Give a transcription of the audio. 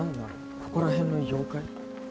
ここら辺の妖怪？